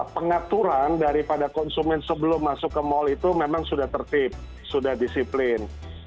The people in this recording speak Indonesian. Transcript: pengaturan daripada konsumen sebelum masuk ke mal itu memang sudah tertib sudah disiplin